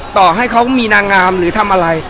ต่อให้เขามีนางงามหรือทำอะไร